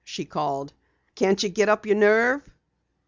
she called. "Can't you get up your nerve?"